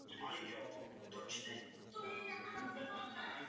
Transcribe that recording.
Na nebi hvězdy svítí.